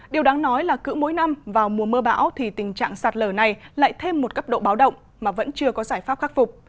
điều đáng nói là cứ mỗi năm vào mùa mưa bão thì tình trạng sạt lở này lại thêm một cấp độ báo động mà vẫn chưa có giải pháp khắc phục